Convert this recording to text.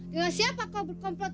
dengan siapa kau berkomplot